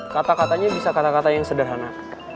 kata katanya bisa kata kata yang sederhana